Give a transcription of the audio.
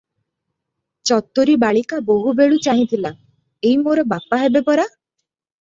ଚତୁରୀ ବାଳିକା ବହୁବେଳୁ ଚାହିଁ ଥିଲା- ଏଇ ମୋର ବାପା ହେବେ ପରା?